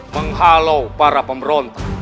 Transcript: menghalau para pemerontah